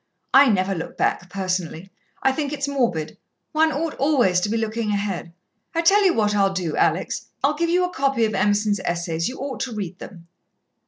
I never look back, personally. I think it's morbid. One ought always to be looking ahead. I tell you what I'll do, Alex I'll give you a copy of Emerson's Essays. You ought to read them."